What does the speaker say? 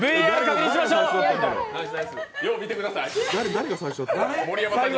よう見てください。